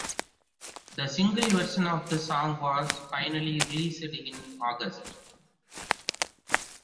The single version of that song was finally released in August.